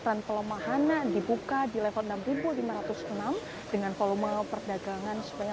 trend pelemahan dibuka di level enam lima ratus enam dengan volume perdagangan sepenuhnya tiga ratus empat puluh